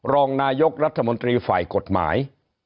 รองนายกรัฐมนตรีฝ่ายกฎหมาย